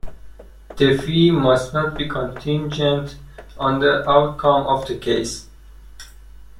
The fee must not be contingent on the outcome of the case.